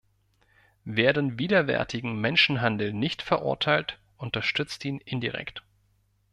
Wer den widerwärtigen Menschenhandel nicht verurteilt, unterstützt ihn indirekt.